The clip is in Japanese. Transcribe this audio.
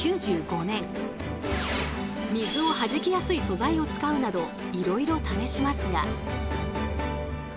水をはじきやすい素材を使うなどいろいろ試しますが。